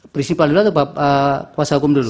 prinsipal dulu atau kuasa hukum dulu